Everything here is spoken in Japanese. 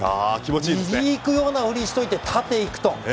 右いくようなふりしておいて縦いくと。